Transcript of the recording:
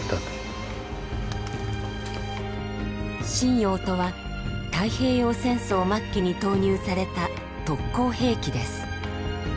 震洋とは太平洋戦争末期に投入された特攻兵器です。